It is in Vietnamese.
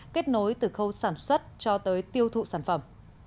kết nối từ khâu sản xuất cho tới tiêu thụ sản phẩm